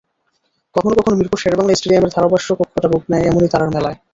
কখনো কখনো মিরপুর শেরেবাংলা স্টেডিয়ামের ধারাভাষ্যকক্ষটা রূপ নেয় এমনই তারার মেলায়।